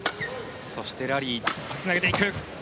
そしてラリーつなげていく。